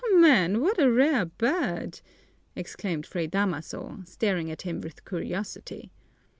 "Man, what a rare bird!" exclaimed Fray Damaso, staring at him with curiosity.